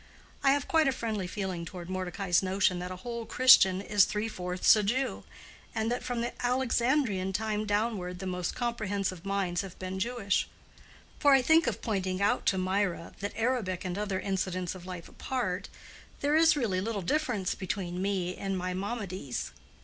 I have quite a friendly feeling toward Mordecai's notion that a whole Christian is three fourths a Jew, and that from the Alexandrian time downward the most comprehensive minds have been Jewish; for I think of pointing out to Mirah that, Arabic and other incidents of life apart, there is really little difference between me and—Maimonides.